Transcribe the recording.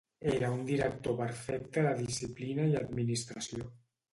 Era un director perfecte de disciplina i administració.